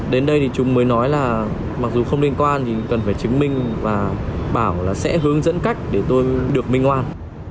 đến đây thì chúng mới nói là mặc dù không liên quan thì cần phải chứng minh và bảo là sẽ hướng dẫn cách để tôi được minh hoan